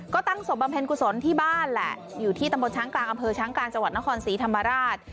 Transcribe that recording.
ก็ตั้งศพบำเพ็ญกุศลที่บ้านแหละอยู่ที่ตำบลช้างกลางอำเภอช้างกลางจังหวัดนครศรีธรรมราช